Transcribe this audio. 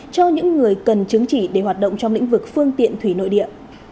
cho những người cần chứng chỉ để hoạt động trong lĩnh vực phương tiện thủy nội địa